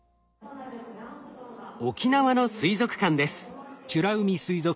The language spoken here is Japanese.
沖縄の水族館です。